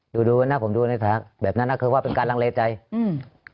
ดูดูนะผมดูในแบบนั้นน่ะคือว่าเป็นการลังเลใจอืม